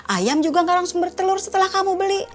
ayam juga gak langsung bertelur setelah kamu beli